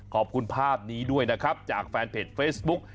ขอบคุณภาพนี้ด้วยนะครับจากแฟนเพจเฟซบุ๊ก